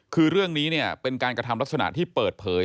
คือเรื่องนี้เนี่ยเป็นการกระทำลักษณะที่เปิดเผย